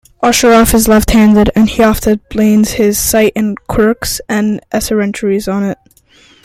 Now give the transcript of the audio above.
Osheroff is left-handed, and he often blames his slight quirks and eccentricities on it.